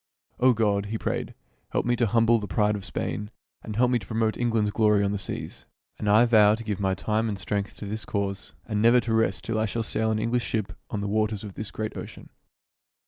"O God," he prayed, "help me to humble the pride of Spain, and help me to promote England's glory on the seas. And I vow to give my time and strength to this cause, and never to rest till I shall sail an English ship on the waters of this great ocean."